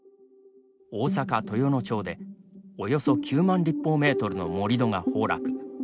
大阪・豊能町でおよそ９万立方メートルの盛り土が崩落。